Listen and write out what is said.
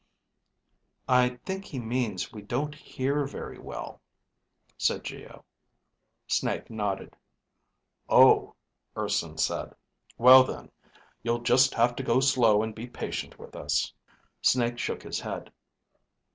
"I think he means we don't hear very well," said Geo. Snake nodded. "Oh," Urson said. "Well, then you'll just have to go slow and be patient with us." Snake shook his head.